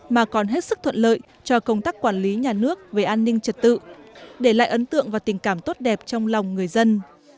mà còn hết sức thuận lợi cho công tác quản lý nhà nước về an ninh trật tự để lại ấn tượng và tình cảm tốt đẹp trong lòng người dân